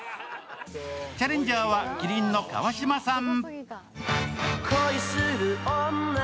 チャレンジャーは麒麟の川島さん。